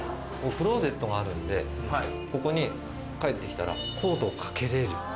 クローゼットがあるんでここに帰って来たらコートを掛けれる。